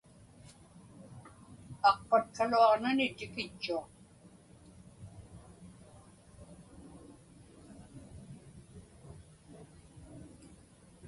Aqpatkaluaġnani tikitchuaq.